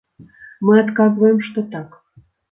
Мы адказваем, што так.